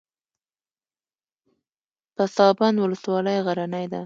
پسابند ولسوالۍ غرنۍ ده؟